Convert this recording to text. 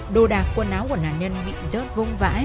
đồ đạc quần áo của nạn nhân bị rớt vông vãi